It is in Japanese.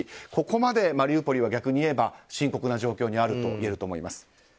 ここまでマリウポリは逆に言えば深刻な状況にあるといえると思います。